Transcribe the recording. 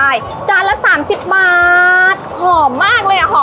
มีขอเสนออยากให้แม่หน่อยอ่อนสิทธิ์การเลี้ยงดู